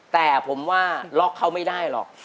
แต่ผมว่าล็อกเขาไม่ได้หรอก